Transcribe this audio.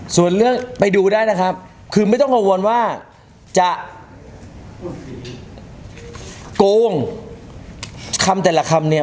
ส่วนเรื่องไปดูได้นะครับคือไม่ต้องกังวลว่าจะโกงคำแต่ละคำเนี่ย